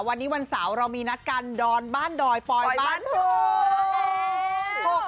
วันนี้วันเสาร์เรามีนัดกันดอนบ้านดอยปลอยบ้านเกิด